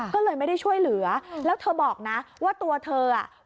ก็เลยไม่ได้ช่วยเหลือแล้วเธอบอกนะว่าตัวเธออ่ะ